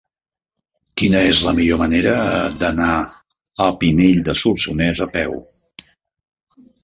Quina és la millor manera d'anar a Pinell de Solsonès a peu?